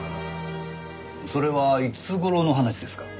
それはいつ頃の話ですか？